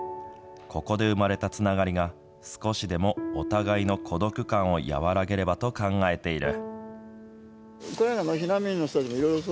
ここで生まれたつながりが、少しでもお互いの孤独感を和らげればと考えている。